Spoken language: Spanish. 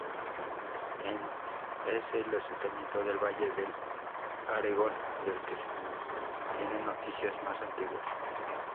Es el asentamiento del Valle del Aragón del que se tienen noticias más antiguas.